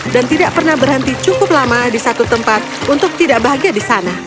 dan tidak pernah berhenti cukup lama di satu tempat untuk tidak bahagia di sana